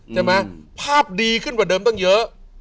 ใช่ไหมภาพดีขึ้นกว่าเดิมตั้งเยอะ